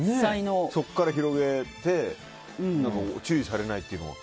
そこから広げて注意されないっていうのは。